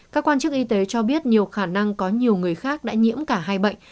các quan chức y tế cho biết nhiều khả năng có nhiều người khác đã nhiễm cả hai bệnh